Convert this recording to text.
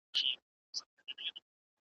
همېشه رڼې اوبه پکښي بهاندي `